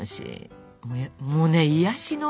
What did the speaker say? もうね癒やしの。